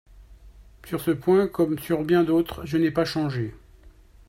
Sur ce point comme sur bien d'autres, je n'ai pas changé.